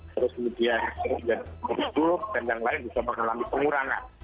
terus kemudian berhubungan yang lain bisa mengalami pengurangan